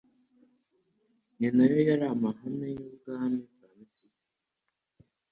ni nayo yari amahame y'ubwami bwa Mesiya.